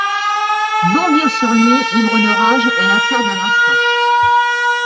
Bondir sur lui, ivre de rage, est l’affaire d’un instant.